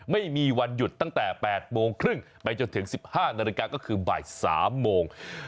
ไม่มีวันหยุดตั้งแต่๘โมงครึ่งไปจนถึง๑๕นาฬิกาก็คือบ่าย๓โมง